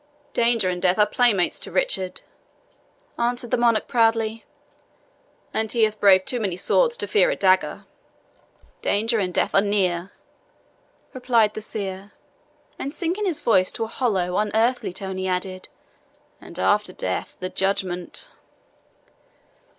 "Danger and death are playmates to Richard," answered the Monarch proudly; "and he hath braved too many swords to fear a dagger." "Danger and death are near," replied the seer, and sinking his voice to a hollow, unearthly tone, he added, "And after death the judgment!"